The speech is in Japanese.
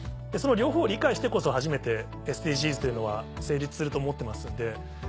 その両方を理解してこそ初めてＳＤＧｓというのは成立すると思ってますんで。